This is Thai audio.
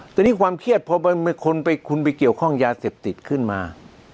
แต่นี่ความเครียดพอคุณไปเกี่ยวข้องยาเสพติดขึ้นมา